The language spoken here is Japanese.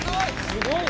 すごい！